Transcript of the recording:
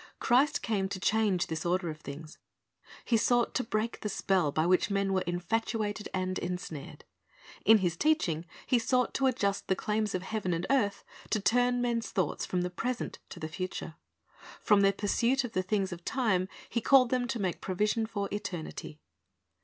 Christ came to change this order of things. He sought to break the spell by which men were infatuated and ensnared. In His teaching He sought to adjust the claims of heaven and earth, to turn men's thoughts from the present to the future. From their pursuit of the things of time, He called them to make provision for eternity.